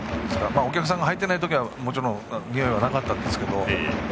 お客さんが入っていないときはもちろんにおいはなかったんですけど。